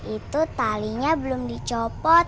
itu talinya belum dicopot